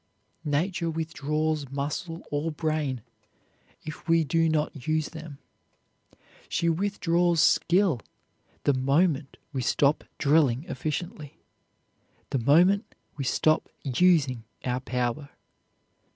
Nature withdraws muscle or brain if we do not use them. She withdraws skill the moment we stop drilling efficiently, the moment we stop using our power.